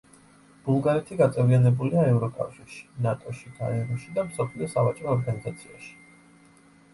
ბულგარეთი გაწევრიანებულია ევროკავშირში, ნატოში, გაეროში და მსოფლიო სავაჭრო ორგანიზაციაში.